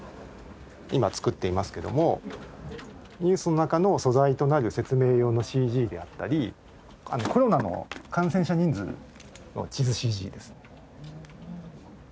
今作っていますけどもニュースの中の素材となる説明用のＣＧであったりコロナの感染者人数の地図ＣＧです。